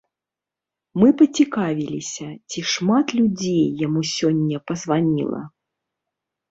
Мы пацікавіліся, ці шмат людзей яму сёння пазваніла.